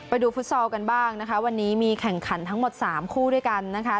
ฟุตซอลกันบ้างนะคะวันนี้มีแข่งขันทั้งหมด๓คู่ด้วยกันนะคะ